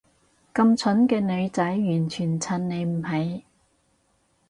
咁蠢嘅女仔完全襯你唔起